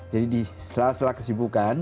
jadi di sela sela kesibukan